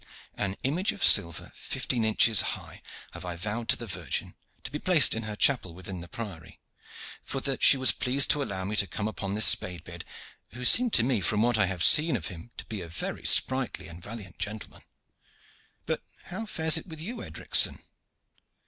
An image of silver fifteen inches high I have vowed to the Virgin, to be placed in her chapel within the Priory, for that she was pleased to allow me to come upon this Spade beard, who seemed to me from what I have seen of him to be a very sprightly and valiant gentleman. But how fares it with you, Edricson?"